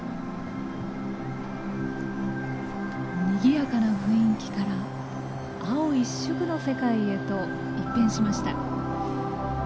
にぎやかな雰囲気から青一色の世界へと一変しました。